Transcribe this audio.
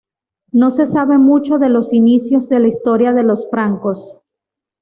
No se sabe mucho de los inicios de la historia de los francos.